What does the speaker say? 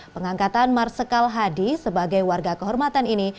pengangkatan marsikal hadi sebagai warga kehormatan ini